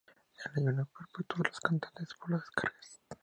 El ayuno perpetuo de los cantantes es por las descargas